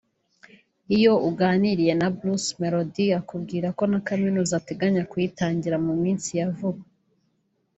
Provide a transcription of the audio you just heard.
Iyo uganiriye na Bruce Melody akubwira ko na Kaminuza ateganya kuyitangira mu minsi ya vuba